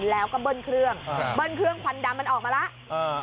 แล้วก็เบิ้ลเครื่องเบิ้ลเครื่องควันดำมันออกมาแล้ว